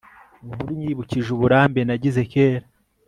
inkuru inyibukije uburambe nagize kera